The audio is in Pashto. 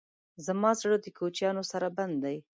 زما زړه د کوچیانو سره بند دی.